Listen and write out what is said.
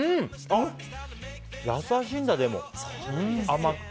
優しいんだ、でも。甘くて。